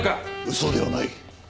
嘘ではない。